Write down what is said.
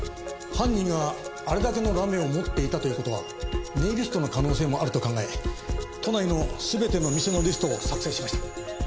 犯人があれだけのラメを持っていたという事はネイリストの可能性もあると考え都内の全ての店のリストを作成しました。